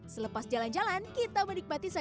ya di sini tuh hic unmute nya